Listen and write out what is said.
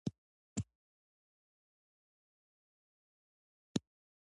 کویلیو د روحي سکون په لټه کې دی.